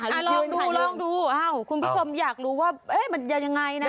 จ้ะลองดูคุณผู้ชมอยากรู้ว่ามันยังไงนะ